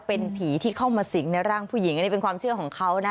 เป็นผีที่เข้ามาสิงในร่างผู้หญิงอันนี้เป็นความเชื่อของเขานะ